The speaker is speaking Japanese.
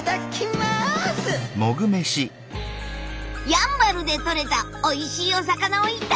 やんばるでとれたおいしいお魚を頂こう！